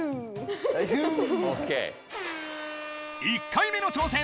１回目の挑戦！